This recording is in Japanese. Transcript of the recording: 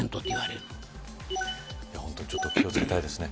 本当にちょっと気をつけたいですね。